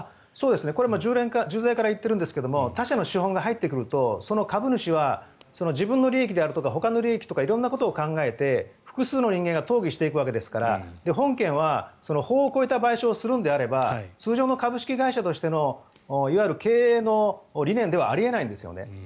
これは従前からいっているんですが他者の資本が入ってくるとその株主は自分の利益であるとかほかの利益とか色々なことを考えて複数の人間が討議していくわけですから本件は法を超えた賠償をするのであれば通常の株式会社としてのいわゆる経営の理念ではあり得ないんですよね。